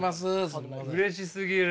うれしすぎる。